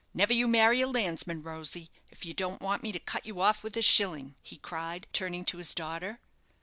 Never you marry a landsman, Rosy, if you don't want me to cut you off with a shilling," he cried, turning to his daughter.